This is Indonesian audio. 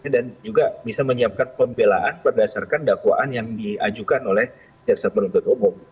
dan juga bisa menyiapkan pembelaan berdasarkan dakwaan yang diajukan oleh jaksa penonton umum